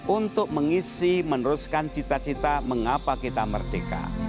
untuk mengisi meneruskan cita cita mengapa kita merdeka